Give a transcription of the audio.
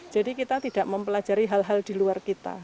jadi kita tidak mempelajari hal hal di luar kita